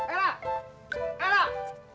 eh lah eh lah